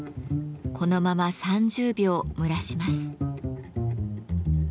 このまま３０秒蒸らします。